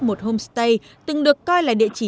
một homestay từng được coi là địa chỉ